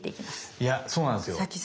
いやそうなんですよ。